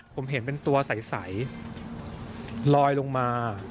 ผมเห็นเป็นตัวใสลอยลงมา